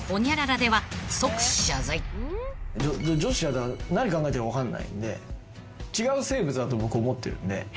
女子は何考えてるか分かんないんで違う生物だと僕思ってるんで。